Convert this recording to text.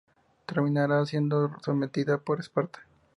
Terminará siendo sometida por Esparta.